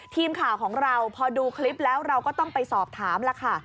ทีมข่าวของเราพอดูคลิปแล้วเราก็ต้องไปสอบถามแล้วค่ะ